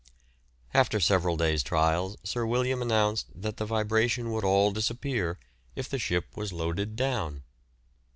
After several days' trials Sir William announced that the vibration would all disappear if the ship was loaded down.